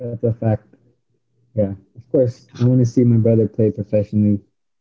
itu fakta ya tentu saja aku ingin melihat kakakku bermain profesional